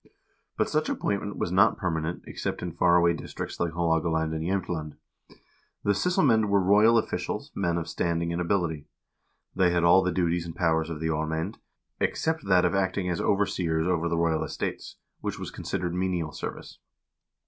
But such appointment was not per manent except in far away districts like Haalogaland and Jsemtland. The sysselmcend were royal officials, men of standing and ability. They had all the duties and powers of the aarmcend, except that of acting as overseers over the royal estates, which was considered menial service.